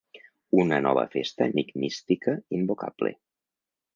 Una nova festa enigmística invocable.